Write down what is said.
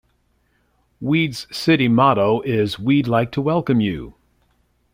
Weed's city motto is "Weed like to welcome you".